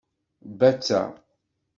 Batta